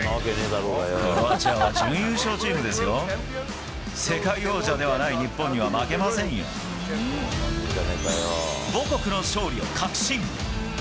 クロアチアは準優勝チームですよ、世界王者ではない日本には母国の勝利を確信。